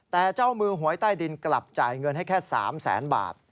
แต่เจ้ามือหวยใต้ดินกลับจ่ายเงินให้แค่๓แสนบาท